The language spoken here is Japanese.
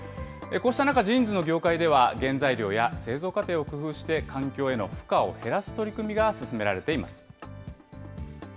こうした中、ジーンズの業界では、原材料や製造過程を工夫して、環境への負荷を減らす取り組みが進められています。